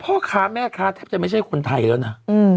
พ่อค้าแม่ค้าแทบจะไม่ใช่คนไทยแล้วนะ